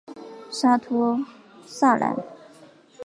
沙托萨兰。